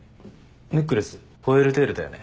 ネックレスホエールテールだよね？